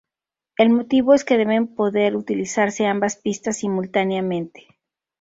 El motivo es que deben poder utilizarse ambas pistas simultáneamente.